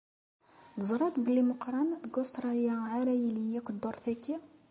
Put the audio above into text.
Teẓriḍ belli Meqqran deg Ustṛalya ara yili akk dduṛt-agi?